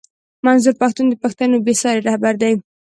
منظور پښتون د پښتنو بې ساری رهبر دی